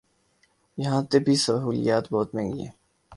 یہاں طبی سہولیات بہت مہنگی ہیں۔